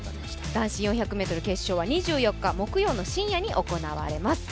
男子４００ｍ決勝は２４日木曜の深夜に行われます。